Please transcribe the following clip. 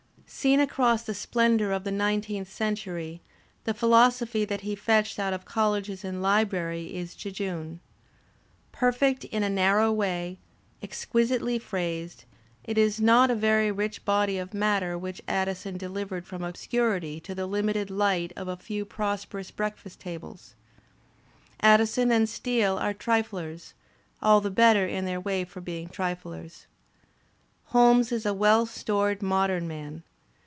Seen across the splendour of the nineteenth century, the philos ophy that he fetched out of colleges and libraries is jejune. Perfect in a narrow way, exquisitely phrased, it is not a very rich body of matter which Addison delivered from obscurity to the Umited light of a few prosperous breakfast tables. Addison and Steele are triflers, all the better in their way for being triflers. Holmes is a well stored modern man.